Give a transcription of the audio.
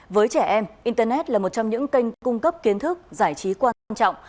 với trẻ em internet là một trong những kênh cung cấp kiến thức giải trí qua quan trọng